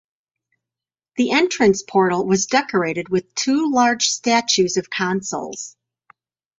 The entrance portal was decorated with two large statues of consuls.